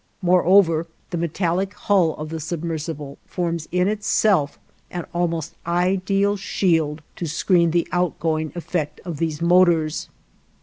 Moreover, the metallic hull of the submersible forms in itself an almost ideal shield to screen the outgoing effect of these motors.